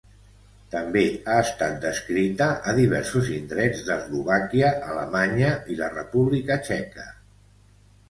També ha estat descrita a diversos indrets d'Eslovàquia, Alemanya i la República Txeca.